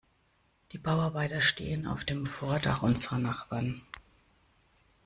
Die Bauarbeiter stehen auf dem Vordach unserer Nachbarn.